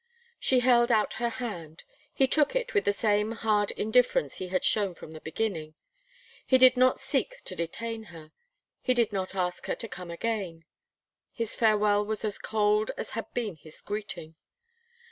She held out her hand; he took it with the same hard indifference he had shown from the beginning. He did not seek to detain her; he did not ask her to come again. His farewell was as cold as had been his greeting.